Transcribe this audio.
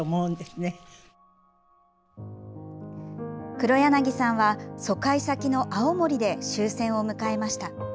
黒柳さんは疎開先の青森で終戦を迎えました。